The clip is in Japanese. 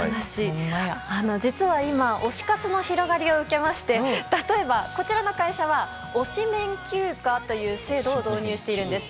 実は今推し活の広がりを受けまして例えば、こちらの会社は推しメン休暇という制度を導入しているんです。